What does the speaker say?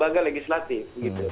berdiri sendiri begitu ya